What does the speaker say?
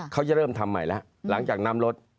เขาจะเริ่มทำใหม่แล้วหลังจากน้ำลด